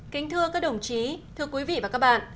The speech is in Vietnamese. kính thưa các đồng chí thưa quý vị và các bạn